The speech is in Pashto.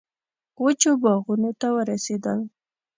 وچو باغونو ته ورسېدل.